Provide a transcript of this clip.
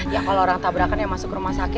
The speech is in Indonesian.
ya kalau orang tabrakan ya masuk ke rumah sakit